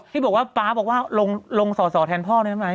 ที่บอกว่าป๊าบอกว่าลงสอสอแทนพ่อได้ไหม